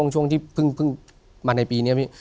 ช่วงที่เพิ่งมาในปีนี้พี่